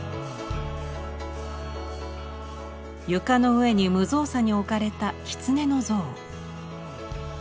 床の上に無造作に置かれた狐の像。